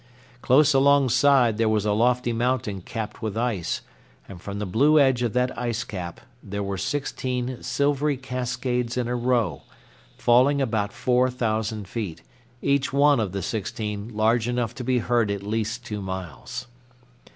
Close alongside there was a lofty mountain capped with ice, and from the blue edge of that ice cap there were sixteen silvery cascades in a row, falling about four thousand feet, each one of the sixteen large enough to be heard at least two miles.